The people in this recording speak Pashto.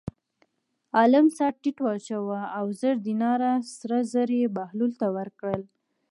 عالم سر ټیټ واچاوه او زر دیناره سره زر یې بهلول ته ورکړل.